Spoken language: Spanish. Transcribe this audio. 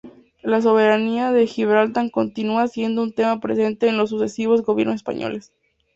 La soberanía de Gibraltar continúa siendo un tema presente en los sucesivos gobiernos españoles.